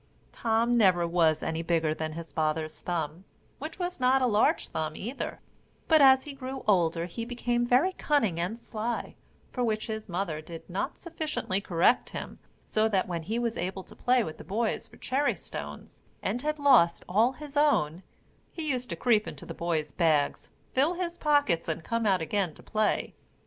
Tom never was any bigger than his father's thumb, which was not a large thumb either; but, as he grew older, he became very cunning and sly, for which his mother did not sufficiently correct him, so that when he was able to play with the boys for cherry stones, and had lost all his own, he used to creep into the boys' bags, fill his pockets, and come out again to play.